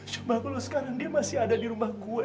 cuma kalau sekarang dia masih ada di rumah gue